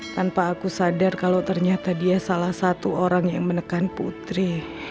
tanpa aku sadar kalau ternyata dia salah satu orang yang menekan putri